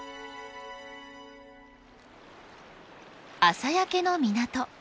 朝焼けの港。